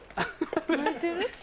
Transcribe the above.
泣いてる？